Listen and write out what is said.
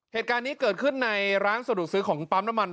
เหตุการณ์นี้เกิดขึ้นในร้านสะดวกซื้อของปั๊มน้ำมัน